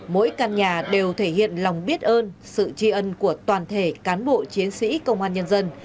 mỗi căn nhà đều thể hiện lòng biết ơn sự tri ân của toàn thể cán bộ chiến sĩ công an nhân dân